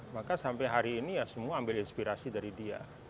maka sampai hari ini ya semua ambil inspirasi dari dia